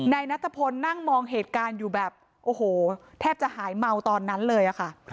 นายนัทพลนั่งมองเหตุการณ์อยู่แบบโอ้โหแทบจะหายเมาตอนนั้นเลยค่ะ